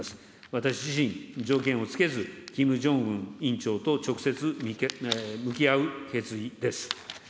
私自身、条件を付けず、キム・ジョンウン委員長と直接向き合う決意です。